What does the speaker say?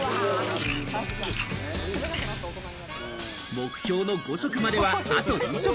目標の５食までは、あと２食。